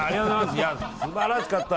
素晴らしかった。